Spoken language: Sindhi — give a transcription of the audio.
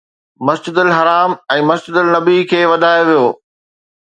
مسجد حرام ۽ مسجد نبوي کي وڌايو ويو